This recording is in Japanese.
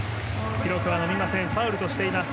記録は伸びませんファウルとしています。